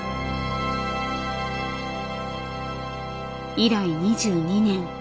以来２２年。